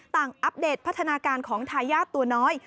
อัปเดตพัฒนาการของทายาทตัวน้อย